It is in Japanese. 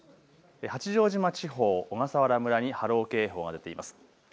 八丈島地方、小笠原村に波浪警報が出ています。